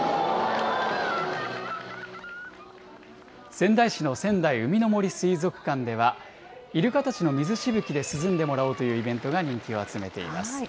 仙台市の仙台うみの杜水族館では、イルカたちの水しぶきで涼んでもらおうというイベントが人気を集めています。